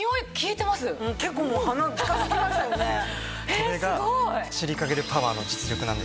これがシリカゲルパワーの実力なんです。